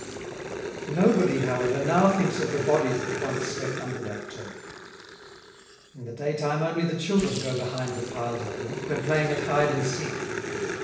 Nobody, however, now thinks of the bodies that once slept under that turf. In the daytime only the children go behind the piles of wood when playing at hide and seek.